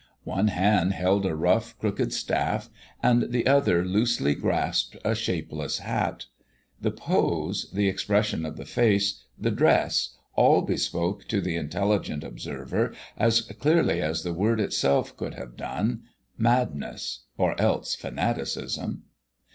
One hand held a rough, crooked staff, and the other loosely grasped a shapeless hat. The pose, the expression of the face, the dress, all bespoke to the intelligent observer as clearly as the word itself could have done madness or else fanaticism.